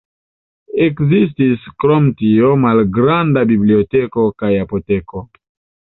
Ekzistis krom tio malgranda biblioteko kaj apoteko.